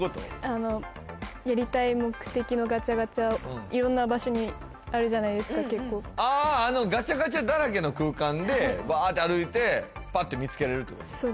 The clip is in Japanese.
あのやりたい目的のガチャガチャ色んな場所にあるじゃないですか結構あああのガチャガチャだらけの空間でバーッて歩いてパッて見つけられるってこと？